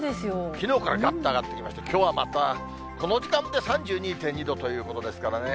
きのうからがっと上がってきまして、きょうはまた、この時間で３２．２度ということですからね。